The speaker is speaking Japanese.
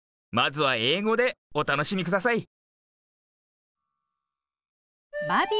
まずはえいごでおたのしみください。